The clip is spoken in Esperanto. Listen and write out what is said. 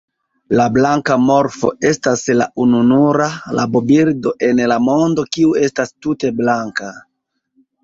La blanka morfo estas la ununura rabobirdo en la mondo kiu estas tute blanka.